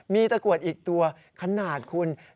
มีตะกรวดอีกตัวขนาดคุณ